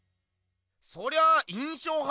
そりゃ印象派